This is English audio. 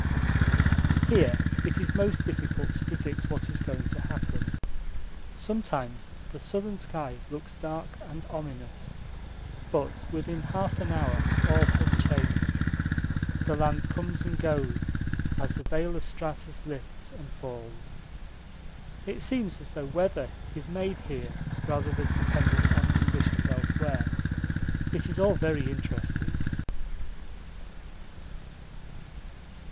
Here it is most difficult to predict what is going to happen. Sometimes the southern sky looks dark and ominous, but within half an hour all has changed the land comes and goes as the veil of stratus lifts and falls. It seems as though weather is made here rather than dependent on conditions elsewhere. It is all very interesting.